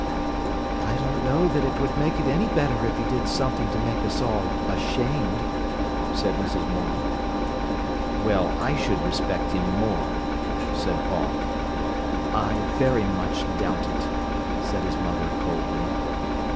"I don't know that it would make it any better if he did something to make us all ashamed," said Mrs. Morel. "Well, I should respect him more," said Paul. "I very much doubt it," said his mother coldly.